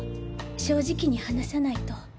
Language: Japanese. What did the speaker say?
正直に話さないと。